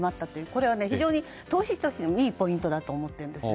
これは非常に投資としてもいいポイントだと思っています。